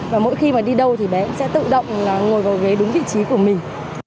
và mỗi khi mà đi đâu thì bé sẽ tự động là ngồi vào ghế đúng vị trí của mình